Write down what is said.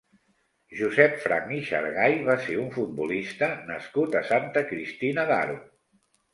Josep Franch i Xargay va ser un futbolista nascut a Santa Cristina d'Aro.